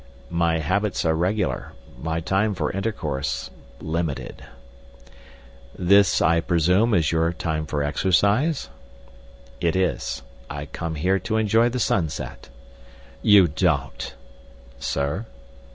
"My habits are regular. My time for intercourse—limited." "This, I presume, is your time for exercise?" "It is. I come here to enjoy the sunset." "You don't." "Sir?"